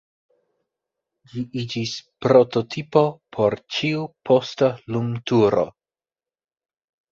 Ĝi iĝis prototipo por ĉiu posta lumturo.